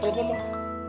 tetep lho mbak